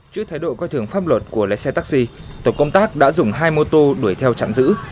trước thái độ coi thường pháp luật của lái xe taxi tổ công tác đã dùng hai mô tô đuổi theo chặn giữ